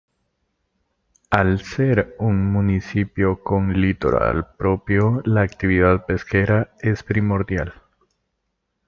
Al ser un municipio con litoral propio la actividad pesquera es primordial.